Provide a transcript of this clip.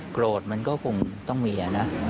โกรธมันก็คงต้องมีนะ